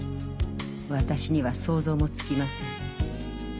私には想像もつきません。